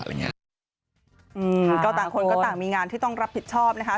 อืมก็ต่างคนก็ต่างมีงานที่ต้องรับผิดชอบนะคะ